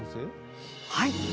はい。